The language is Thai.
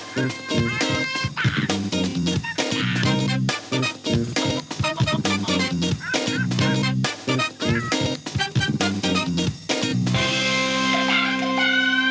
สวัสดีค่ะ